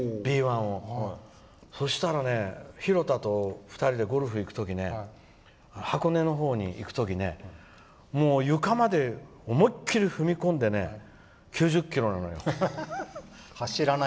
そしたら廣田と２人でゴルフ行く時箱根の方に行く時床まで思い切り踏み込んで９０キロなのよ。